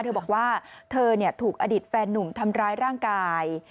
เธอบอกว่าเธอถูกอดีตแฟนหนุ่มทำร้ายร่างกาย